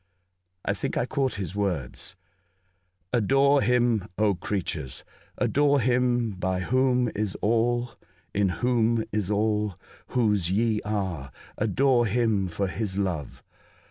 I think I caught his words :— "Adore Him, creatures ! Adore Him by Whom is all, in Whom is all. Whose ye are ! Adore Him for His love